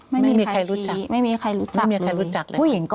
ไม่มีใครรู้จักไม่มีใครรู้จักเลย